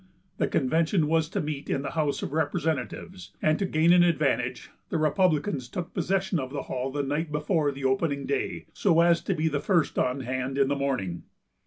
The convention was to meet in the house of representatives, and to gain an advantage, the Republicans took possession of the hall the night before the opening day, so as to be the first on hand in the morning.